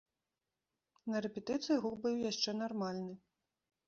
На рэпетыцыі гук быў яшчэ нармальны.